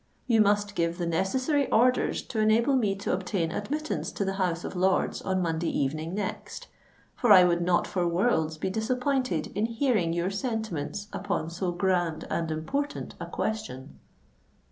You must give the necessary orders to enable me to obtain admittance to the House of Lords on Monday evening next; for I would not for worlds be disappointed in hearing your sentiments upon so grand and important a question."